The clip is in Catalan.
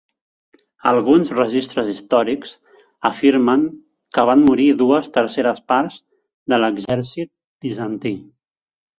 Alguns registres històrics afirmen que van morir dues terceres parts de l'exèrcit bizantí.